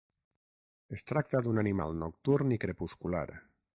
Es tracta d'un animal nocturn i crepuscular.